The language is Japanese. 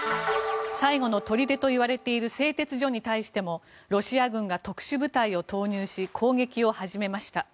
最後の砦と言われている製鉄所に対してもロシア軍が特殊部隊を投入し攻撃を始めました。